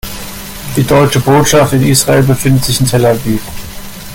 Die Deutsche Botschaft in Israel befindet sich in Tel Aviv.